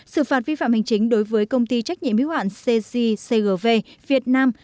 sự phạt vi phạm hành chính đối với công ty trách nhiệm yếu hạn czcgv việt nam